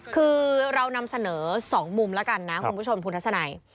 คือเรานำเสนอ๒มุมแล้วกันนะคุณผู้ชมคุณทัศนัย